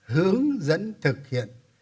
hướng dẫn thực hiện